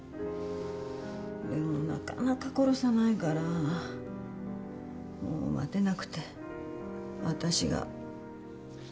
でもなかなか殺さないからもう待てなくて私が。